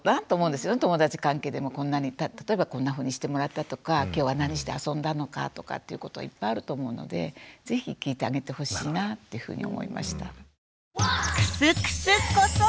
友だち関係でも例えばこんなふうにしてもらったとか今日は何して遊んだのかとかっていうこといっぱいあると思うので是非聞いてあげてほしいなってふうに思いました。